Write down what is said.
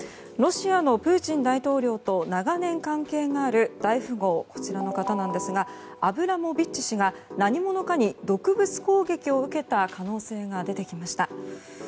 ロシアのプーチン大統領と長年関係がある大富豪、アブラモビッチ氏が何者かに毒物攻撃を受けた可能性が出てきました。